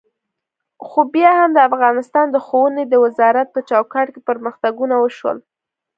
خو بیا هم د افغانستان د ښوونې د وزارت په چوکاټ کې پرمختګونه وشول.